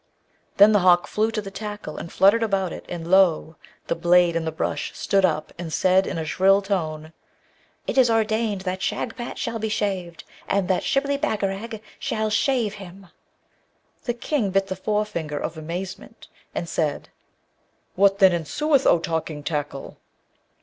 Then the hawk flew to the tackle and fluttered about it, and lo! the blade and the brush stood up and said in a shrill tone, 'It is ordained that Shagpat shall be shaved, and that Shibli Bagarag shall shave him.' The King bit the forefinger of amazement, and said, 'What then ensueth, O talking tackle?'